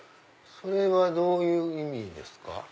それはどういう意味ですか？